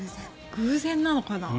偶然なのかな。